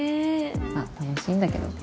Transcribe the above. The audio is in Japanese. まあ楽しいんだけどね。